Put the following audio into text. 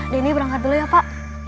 dini berangkat dulu ya pak